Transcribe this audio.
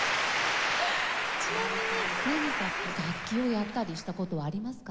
ちなみに何か楽器をやったりした事はありますか？